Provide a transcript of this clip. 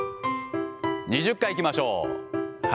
２０回いきましょう。